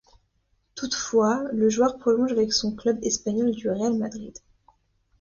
Toutefois, le joueur prolonge avec son club espagnol du Real Madrid.